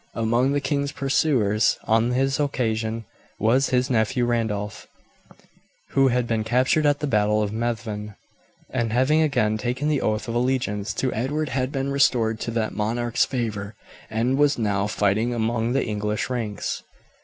Among the king's pursuers on this occasion was his nephew Randolph, who had been captured at the battle of Methven, and having again taken the oath of allegiance to Edward had been restored to that monarch's favour, and was now fighting among the English ranks.